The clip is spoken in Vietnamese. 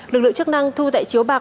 lực lượng chức năng thu tại chiếu bạc